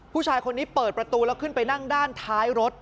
ผู้ชายคนนี้เปิดประตูแล้วขึ้นไปนั่งด้านท้ายรถ